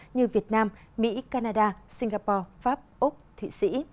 như việt nam mỹ canada singapore pháp úc thụy sĩ